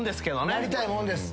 なりたいもんです。